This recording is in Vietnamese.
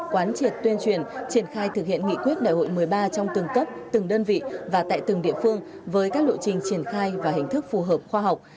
quán triệt tuyên truyền triển khai thực hiện nghị quyết đại hội một mươi ba trong từng cấp từng đơn vị và tại từng địa phương với các lộ trình triển khai và hình thức phù hợp khoa học